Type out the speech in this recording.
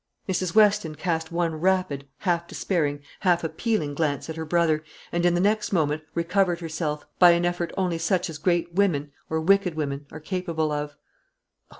Mrs. Weston cast one rapid, half despairing, half appealing glance at her brother, and in the next moment recovered herself, by an effort only such as great women, or wicked women, are capable of.